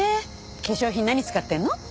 化粧品何使ってるの？